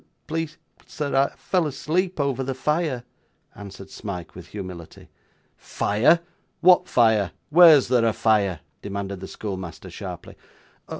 'Please, sir, I fell asleep over the fire,' answered Smike, with humility. 'Fire! what fire? Where's there a fire?' demanded the schoolmaster, sharply.